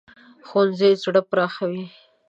ښوونځی زړه پراخوي